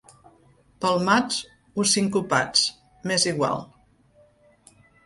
Palmats o sincopats, m'és igual.